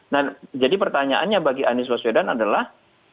nah jadi pertanyaannya bagi anies baswedan adalah